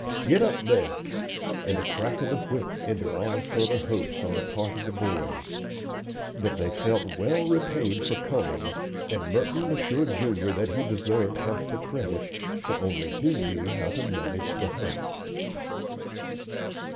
Get up there;" and a crack of the whip ended all further hopes on the part of the boys. But they felt well repaid for coming, and Merton assured Junior that he deserved half the credit, for only he knew how to manage the hunt.